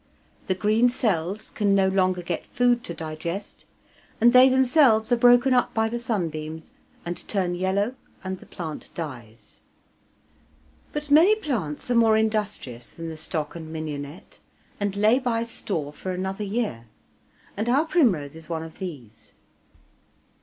The green cells can no longer get food to digest, and they themselves are broken up by the sunbeams and turn yellow, and the plant dies. But many plants are more industrious than the stock and mignonette, and lay by store for another year, and our primrose is one of these.